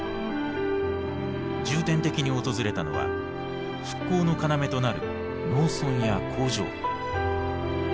重点的に訪れたのは復興の要となる農村や工場。